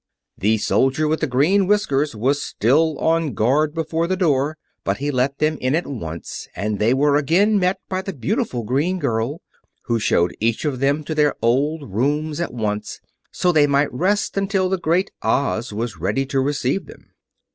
The soldier with the green whiskers was still on guard before the door, but he let them in at once, and they were again met by the beautiful green girl, who showed each of them to their old rooms at once, so they might rest until the Great Oz was ready to receive them.